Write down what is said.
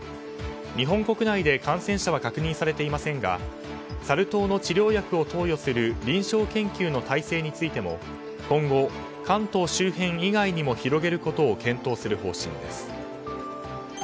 日本国内で感染者は確認されていませんがサル痘の治療薬を投与する臨床研究の体制についても今後、関東以外の周辺にも広げることを検討する方針です。